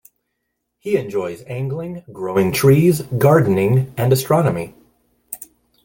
He enjoys angling, growing trees, gardening and astronomy.